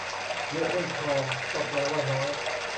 เยอะไม่พอก็แปลว่าน้อย